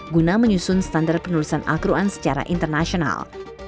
guna menyusun standar penulisan al quran secara internasional